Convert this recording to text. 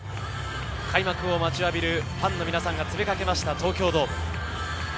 開幕を待ちわびるファンの皆さんが詰めかけました、東京ドーム。